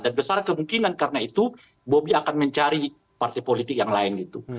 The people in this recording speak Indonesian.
dan besar kemungkinan karena itu bobi akan mencari partai politik yang lain gitu